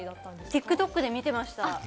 ＴｉｋＴｏｋで見てました。